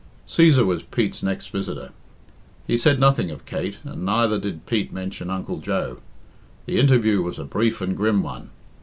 Cæsar was Pete's next visitor. He said nothing of Kate, and neither did Pete mention Uncle Joe. The interview was a brief and grim one.